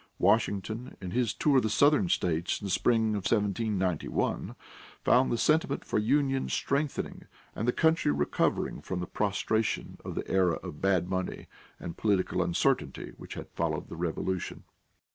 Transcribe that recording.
Washington, in his tour of the Southern States in the spring of 1791, found the sentiment for union strengthening and the country recovering from the prostration of the era of bad money and political uncertainty which had followed the Revolution.